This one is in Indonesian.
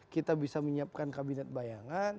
kita bisa menyiapkan kabinet bayangan